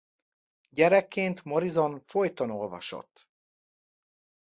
Gyerekként Morrison folyton olvasott.